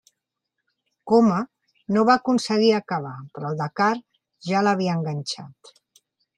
Coma no va aconseguir acabar però el Dakar ja l'havia enganxat.